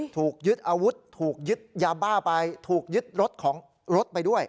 ถูกยึดอาวุธถูกยึดยาบ้าไปถูกยึดรถของรถไปด้วย